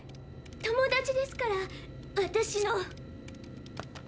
友達ですから私の。